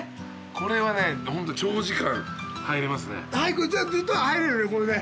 これはねホント長時間入れますね。